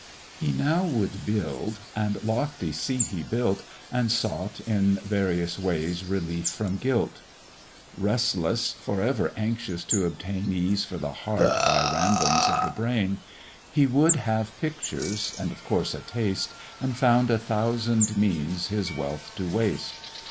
He now would build, and lofty seat he built, And sought, in various ways, relief from guilt. Restless, for ever anxious to obtain Ease for the heart by ramblings of the brain, He would have pictures, and of course a Taste, And found a thousand means his wealth to waste.